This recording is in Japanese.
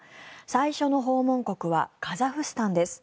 最初の訪問国はカザフスタンです。